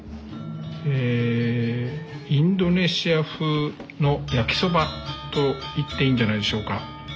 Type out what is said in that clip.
インドネシア風の焼きそばといっていいんじゃないでしょうか。